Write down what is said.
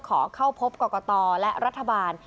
ขอเข้าพบกรกตและรัฐบาล